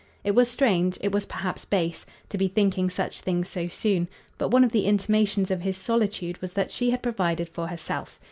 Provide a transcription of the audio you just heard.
It was strange, it was perhaps base, to be thinking such things so soon; but one of the intimations of his solitude was that she had provided for herself.